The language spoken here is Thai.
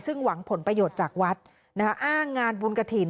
ซึ่งหวังผลประโยชน์จากวัดอ้างงานบุญกระถิ่น